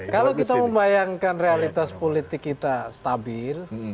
kalau kita membayangkan realitas politik kita stabil